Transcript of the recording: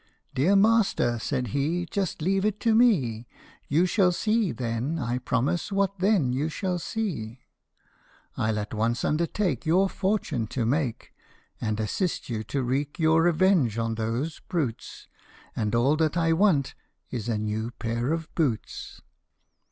' Dear master," said he, " just leave it to me ; You shall see, then, I promise, what then you shall see. 43 PUSS IN BOOTS. I '11 at once undertake Your fortune to make, And assist you to wreak your revenge on those brutes ; And all that I want is a new pair of boots